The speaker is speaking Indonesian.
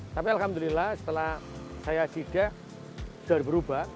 tapi alhamdulillah setelah saya jeda sudah berubah